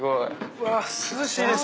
うわっ涼しいです。